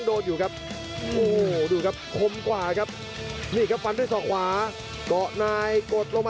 ด้วยมัดขวาก่อเติมด้วยซ้ายก็โดน